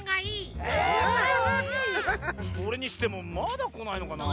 それにしてもまだこないのかなぁ。